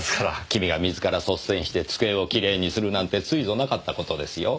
君が自ら率先して机をきれいにするなんてついぞなかった事ですよ。